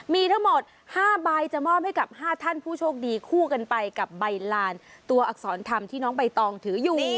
มีทั้งหมด๕ใบจะมอบให้กับ๕ท่านผู้โชคดีคู่กันไปกับใบลานตัวอักษรธรรมที่น้องใบตองถืออยู่